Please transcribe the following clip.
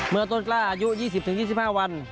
เมื่อต้นกล้าอายุ๒๐๒๕วัน